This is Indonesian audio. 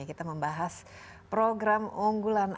kita membahas program unggulan